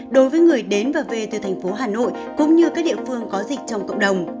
đối với người đến và về từ thành phố hà nội cũng như các địa phương có dịch trong cộng đồng